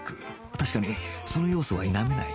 確かにその要素は否めない